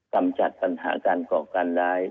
ต้มจัดปัญหาการกรกการร้าย